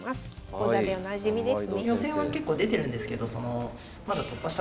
講座でおなじみですね。